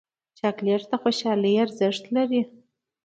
چاکلېټ د خوشحالۍ ارزښت لري